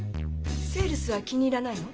セールスは気に入らないの？